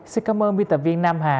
xin cảm ơn biên tập viên nam hà